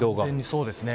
そうですね。